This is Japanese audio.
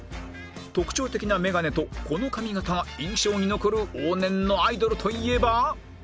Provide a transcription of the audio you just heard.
特徴的なメガネとこの髪形が印象に残る往年のアイドルといえば